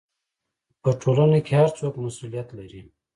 په ټولنه کې هر څوک مسؤلیت لري.